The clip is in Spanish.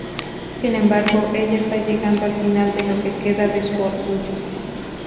Sin embargo, ella está llegando al final de lo que queda de su orgullo.